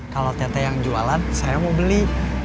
kalau tete yang jualan saya mau beli